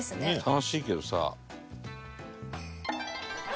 楽しいけどさ。